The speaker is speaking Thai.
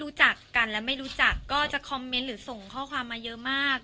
รู้จักกันและไม่รู้จักก็จะคอมเมนต์หรือส่งข้อความมาเยอะมาก